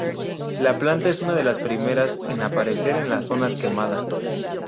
La planta es una de las primeras en aparecer en las zonas quemadas.